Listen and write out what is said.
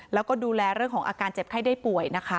แล้วก็ดูแลเรื่องของอาการเจ็บไข้ได้ป่วยนะคะ